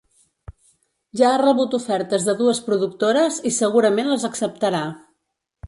Ja ha rebut ofertes de dues productores i segurament les acceptarà.